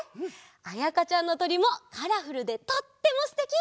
あやかちゃんのとりもカラフルでとってもすてき！